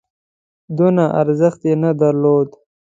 دونه ارزښت یې نه درلود.